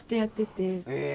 え！